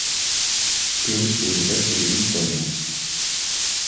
Qu’eux et les êtres d’élite comme vous.